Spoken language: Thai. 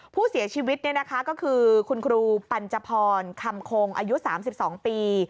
ผู้เสียชีวิตก็คือคุณครูปัญจพรคำคงอายุ๓๒ปี